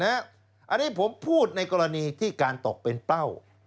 อันนี้ผมพูดในกรณีที่การตกเป็นเป้า